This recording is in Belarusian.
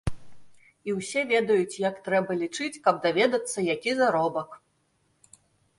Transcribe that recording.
І ўсе ведаюць, як трэба лічыць, каб даведацца, які заробак.